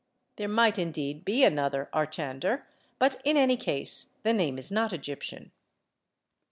There might indeed by another Archander, but in any case the name is not Egyptian.